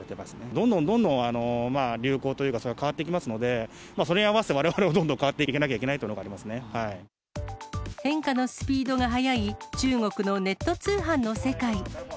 どんどんどんどん、流行というか、そういうのが変わっていきますので、それに合わせて、われわれもどんどん変わっていかなきゃいけないというのがありま変化のスピードが速い、中国のネット通販の世界。